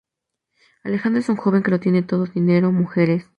Alejandro es un joven que lo tiene todo: dinero, mujeres...